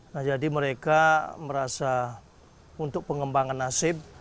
nah jadi mereka merasa untuk pengembangan nasib